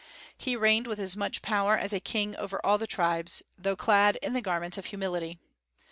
He reigned with as much power as a king over all the tribes, though clad in the garments of humility.